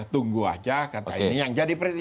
tunggu aja kata ini